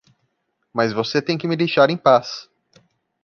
Mas você tem que me deixar em paz.